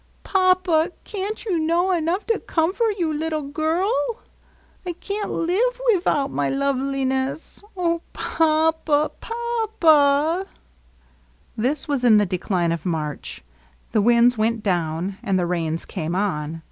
Papa, can't you know enough to comfort you little girl? I can't live wivout my Loveliness. Oh, Papa ! Papa !" This was in the decline of March. The winds went down, and the rains came on.